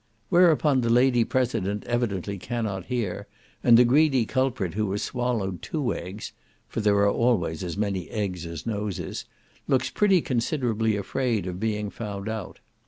Whereupon the lady president evidently cannot hear, and the greedy culprit who has swallowed two eggs (for there are always as many eggs as noses) looks pretty considerably afraid of being found out.